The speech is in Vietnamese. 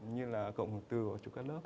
như là cộng hợp tư của chụp cắt lớp